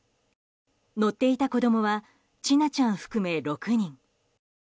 乗っていた子供は千奈ちゃん含め６人。